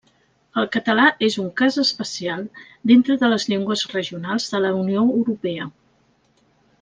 El català és un cas especial dintre de les llengües regionals de la Unió Europea.